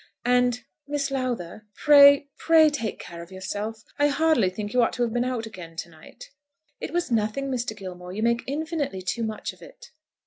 "And, Miss Lowther, pray, pray take care of yourself. I hardly think you ought to have been out again to night." "It was nothing, Mr. Gilmore. You make infinitely too much of it."